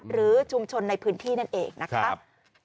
หรือชุมชนในพื้นที่นั่นเองนะครับ